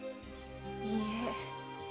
いいえ。